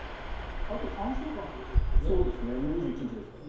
あと３週間ってことですよね。